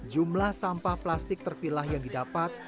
jumlah sampah plastik terpilah yang didapat